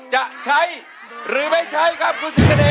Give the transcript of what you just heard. จะใช้หรือไม่ใช้ครับคุณสิงเสน่